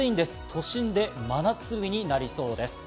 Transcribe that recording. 都心で真夏日になりそうです。